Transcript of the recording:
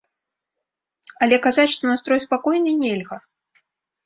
Але казаць, што настрой спакойны, нельга.